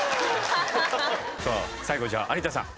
さあ最後じゃあ有田さん。